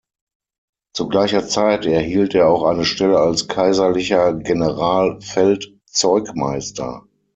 Zu gleicher Zeit erhielt er auch eine Stelle als kaiserlicher General-Feld-Zeugmeister.